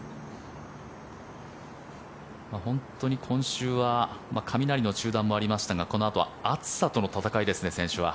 本当に今週は雷の中断もありましたがこのあとは暑さとの戦いですね選手は。